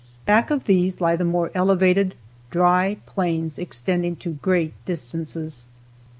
Back of these lie the more elevated, dry plains extending to great distances.